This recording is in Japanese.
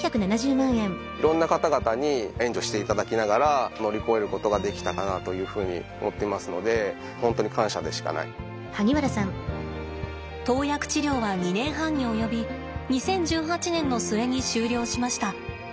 いろんな方々に援助していただきながら乗り越えることができたかなというふうに思っていますので投薬治療は２年半に及び２０１８年の末に終了しました。